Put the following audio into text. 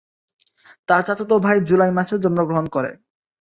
তার চাচাতো ভাই জুলাই মাসে জন্মগ্রহণ করে।